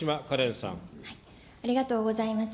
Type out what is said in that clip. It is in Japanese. ありがとうございます。